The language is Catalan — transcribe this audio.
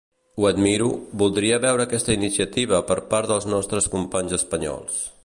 Ho admiro, voldria veure aquesta iniciativa per part dels nostres companys espanyols.